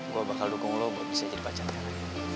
gue bakal dukung lo buat bisa jadi pacarnya raya